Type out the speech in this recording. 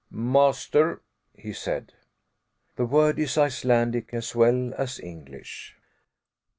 "Master," he said. The word is Icelandic as well as English.